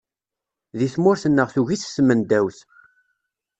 Di tmurt-nneɣ tugi-t tmendawt.